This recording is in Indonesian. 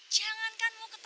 jangan kan mau ketemu aku